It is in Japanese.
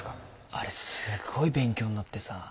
あれすごい勉強になってさ。